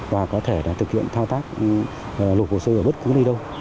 và có thể thực hiện thao tác lục hồ sơ ở bất cứ nơi đâu